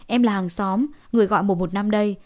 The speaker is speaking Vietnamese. em là hàng xóm người gọi mùa một năm đây